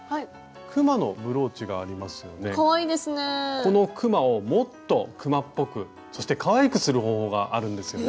このくまをもっとくまっぽくそしてかわいくする方法があるんですよね。